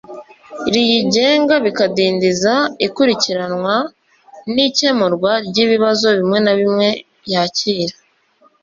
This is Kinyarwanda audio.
riyigenga bikadindiza ikurikiranwa n ikemurwa ry ibibazo bimwe na bimwe yakira